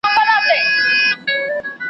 اعتبار نه په خندا نه په ژړا سته `